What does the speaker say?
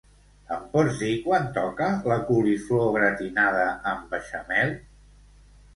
Em pots dir quan toca la coliflor gratinada amb beixamel?